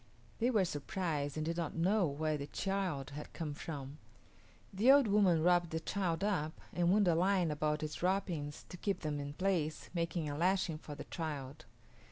They were surprised and did not know where the child had come from. The old woman wrapped the child up and wound a line about its wrappings to keep them in place, making a lashing for the child.